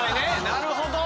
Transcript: なるほど！